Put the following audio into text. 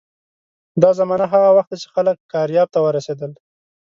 دا زمانه هغه وخت ده چې خلک کارایب ته ورسېدل.